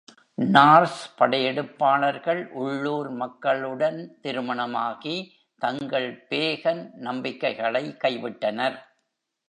Norse படையெடுப்பாளர்கள் உள்ளூர் மக்களுடன் திருமணமாகி தங்கள் பேகன் நம்பிக்கைகளை கைவிட்டனர்.